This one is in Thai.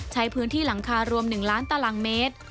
ใช้พื้นที่หลังคารวม๑ล้านตารางเมตร